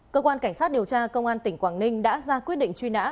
cơ quan cảnh sát điều tra công an tỉnh quảng ninh đã ra quyết định truy nã